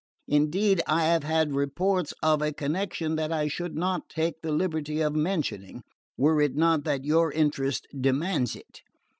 Indeed, I have had reports of a connection that I should not take the liberty of mentioning, were it not that your interest demands it."